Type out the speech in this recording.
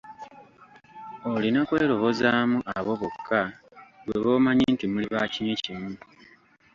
Olina kwerobozaamu abo bokka ggwe b'omanyi nti muli bakinywi kimu.